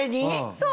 そう。